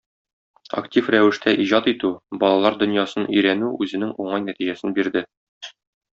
Актив рәвештә иҗат итү, балалар дөньясын өйрәнү үзенең уңай нәтиҗәсен бирде.